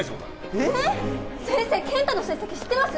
えーっ先生健太の成績知ってます？